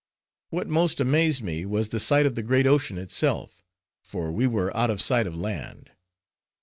What most amazed me was the sight of the great ocean itself, for we were out of sight of land.